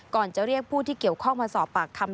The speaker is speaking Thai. จะเรียกผู้ที่เกี่ยวข้องมาสอบปากคำ